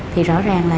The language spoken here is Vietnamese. thì rõ ràng là